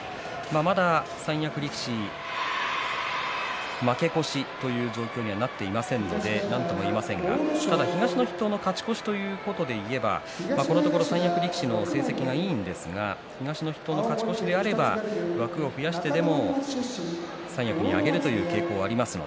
まだ三役力士負け越しという状況にはなっていませんのでなんとも言えませんがただ、東の筆頭の勝ち越しということでいえばこのところ三役力士の成績がいいんですが東の筆頭の勝ち越しであれば枠を増やしてでも三役に上げるという傾向があります。